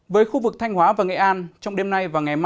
với khu vực thanh hóa và nghệ an